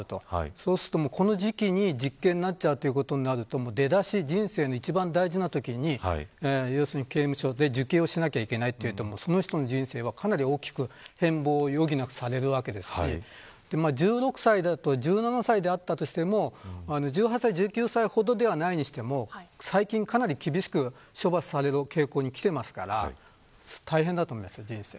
そうすると、この時期に実刑になるということは人生の一番大事なときに刑務所で受刑をしなきゃいけないというとその人の人生は大きく変貌を余儀なくされるわけですし１６歳、１７歳であったとしても１８歳、１９歳ほどではないにしても最近はかなり厳しく処罰される傾向にありますから大変だと思います、人生。